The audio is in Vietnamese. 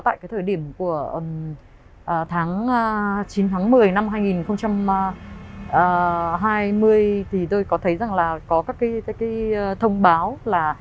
tại cái thời điểm của tháng chín tháng một mươi năm hai nghìn hai mươi thì tôi có thấy rằng là có các cái thông báo là